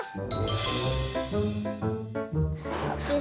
sampai ketemu lagi